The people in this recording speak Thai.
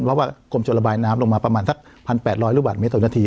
เพราะว่ากลมชนระบายน้ำลงมาประมาณสักพันแปดร้อยหรือวันเมตรนาที